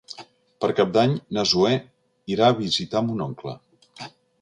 Per Cap d'Any na Zoè irà a visitar mon oncle.